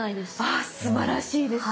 あすばらしいです。